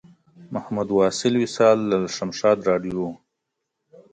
محمد واصل وصال له شمشاد راډیو و.